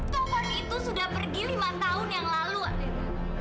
taufan itu sudah pergi lima tahun yang lalu alena